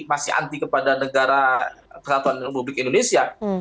masih anti kepada negara kesatuan republik indonesia